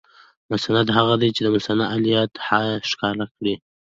مسند هغه دئ، چي چي د مسندالیه حال ښکاره کوي.